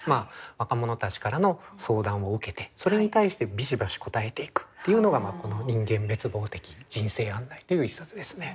若者たちからの相談を受けてそれに対してビシバシ答えていくというのがこの「人間滅亡的人生案内」という一冊ですね。